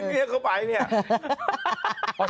เรียกเขาไปเนี่ย